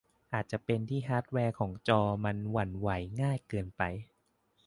อาจจะเป็นที่ฮาร์ดแวร์ของจอมันหวั่นไหวง่ายเกินไป